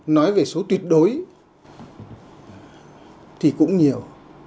nói về số tuyệt đối thì cũng nhiều